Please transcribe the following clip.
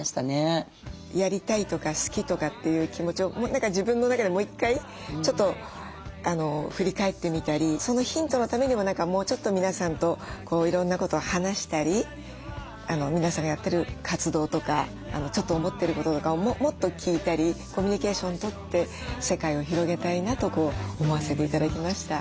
やりたいとか好きとかっていう気持ちを何か自分の中でもう１回ちょっと振り返ってみたりそのヒントのためにも何かもうちょっと皆さんといろんなことを話したり皆さんがやってる活動とかちょっと思ってることとかをもっと聞いたりコミュニケーションとって世界を広げたいなと思わせて頂きました。